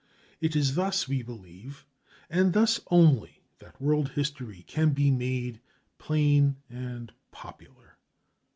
It is thus, we believe, and thus only, that world history can be made plain and popular.